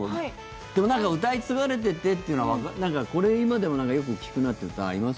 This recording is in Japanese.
でも、歌い継がれていてというのはこれ、今でもよく聞くなっていう歌あります？